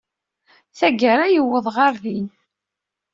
Tagara, yewweḍ ɣer din.